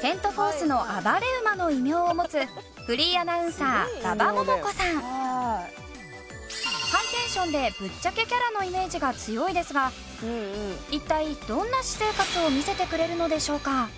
セントフォースの暴れ馬の異名を持つフリーアナウンサー馬場ももこさん。のイメージが強いですが一体どんな私生活を見せてくれるのでしょうか？